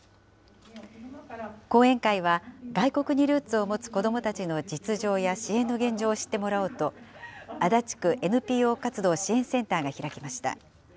講演会は、外国にルーツを持つ子どもたちの実情や支援の現状を知ってもらおうと、足立区ＮＰＯ活動支援センターが開きました。